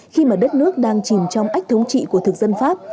khi mà đất nước đang chìm trong ách thống trị của thực dân pháp